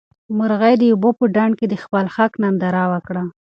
مرغۍ د اوبو په ډنډ کې د خپل حق ننداره وکړه.